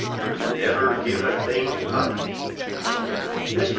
"NEVER GIVE A THING UP." Mr.